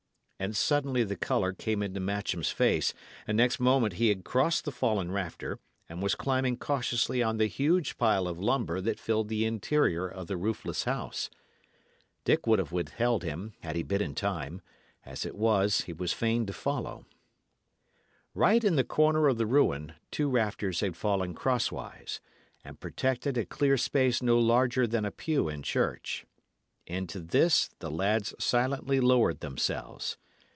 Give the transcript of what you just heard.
And suddenly the colour came into Matcham's face, and next moment he had crossed the fallen rafter, and was climbing cautiously on the huge pile of lumber that filled the interior of the roofless house. Dick would have withheld him, had he been in time; as it was, he was fain to follow. Right in the corner of the ruin, two rafters had fallen crosswise, and protected a clear space no larger than a pew in church. Into this the lads silently lowered themselves.